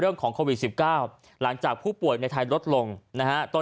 เรื่องของโควิด๑๙หลังจากผู้ป่วยในไทยลดลงนะฮะต้น